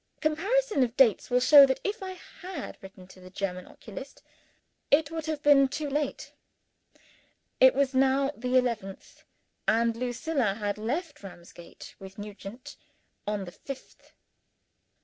Comparison of dates will show that if I had written to the German oculist, it would have been too late. It was now the eleventh; and Lucilla had left Ramsgate with Nugent on the fifth.